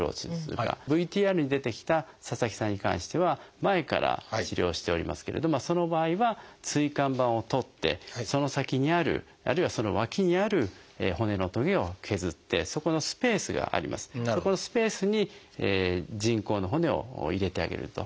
ＶＴＲに出てきた佐々木さんに関しては前から治療しておりますけれどその場合は椎間板を取ってその先にあるあるいはその脇にある骨のトゲを削ってそこのスペースがありますのでそこのスペースに人工の骨を入れてあげると。